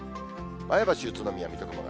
前橋、宇都宮、水戸、熊谷。